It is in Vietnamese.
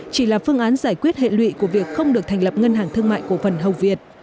chỉ là phương án giải quyết hệ lụy của việc không được thành lập ngân hàng thương mại cổ phần hầu việt